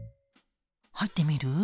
入ってみる？